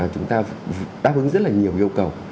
chúng ta đáp ứng rất là nhiều hiệu cầu